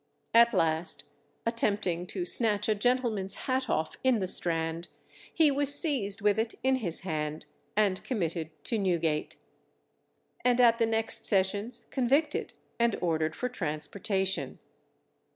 At last, attempting to snatch a gentleman's hat off in the Strand, he was seized with it in his hand, and committed to Newgate, and at the next sessions convicted and ordered for transportation.